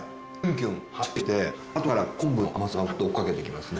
あとから昆布の甘さがふわっと追いかけてきますね。